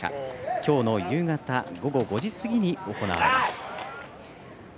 今日の夕方午後５時過ぎに行われます。